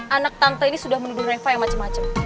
anak tante ini sudah menuduh reva yang macem macem